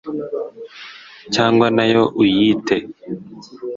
cyangwa na yo uyite!»